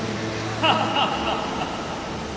ハハハハハ！